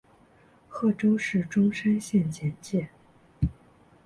贺州市钟山县简介